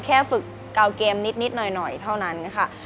ฝึกเกาเกมนิดหน่อยเท่านั้นค่ะ